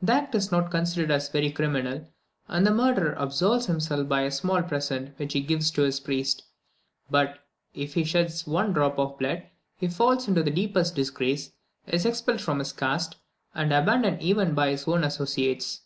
The act is not considered as very criminal, and the murderer absolves himself by a small present, which he gives to his priest; but, if he sheds only one drop of blood, he falls into the deepest disgrace, is expelled from his caste, and abandoned even by his own associates.